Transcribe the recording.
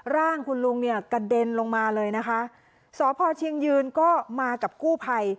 ร่างคุณลุงเนี่ยกระเด็นลงมาเลยนะคะสพเชียงยืนก็มากับกู้ภัย